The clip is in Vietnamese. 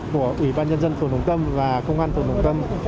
của ủy ban nhân dân phường hồng tâm và công an phường đồng tâm